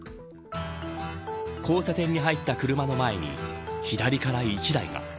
交差点に入った車の前に左から１台が。